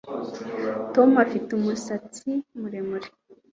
Tom afite umusatsi muremure